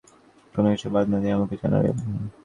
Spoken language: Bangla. কোনো কিছু বাদ না দিয়ে আমাকে জানাবে।